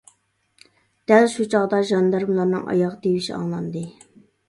دەل شۇ چاغدا ژاندارمىلارنىڭ ئاياغ تىۋىشى ئاڭلاندى.